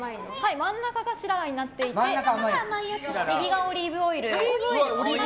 真ん中がしららになっていて右側がオリーブオイル。